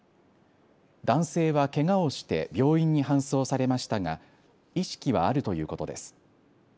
男性はけがをして病院に搬送されましたが意識はあるということです。